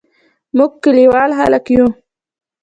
موږ کلیوال خلګ یو